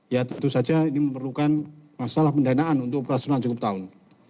ya tentu saja ini memerlukan masalah pendanaan untuk operasional cukup tahun